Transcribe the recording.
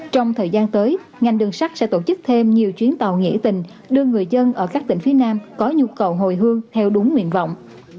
trong thời gian tới ngành đường sắt sẽ tổ chức thêm nhiều chuyến tàu nghỉ tình đưa người dân ở các tỉnh phía nam có nhu cầu hồi hương theo đúng nguyện vọng